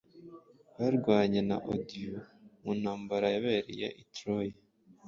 barwanye na Odyeu mu ntambara yabereye i Troy,